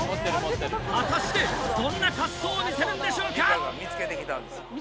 果たしてどんな滑走を見せるんでしょうか？